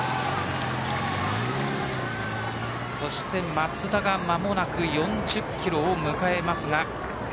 松田が間もなく４０キロを迎えます。